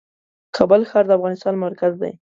کابل ښار د افغانستان مرکز دی .